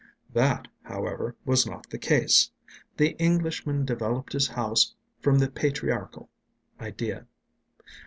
That, however, was not the case. The Englishman developed his house from the patriarchal idea.